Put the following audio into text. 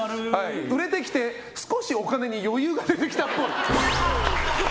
売れてきて少しお金に余裕が出てきたっぽい。